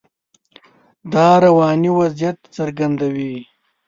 دا رواني وضعیت څرګندوي.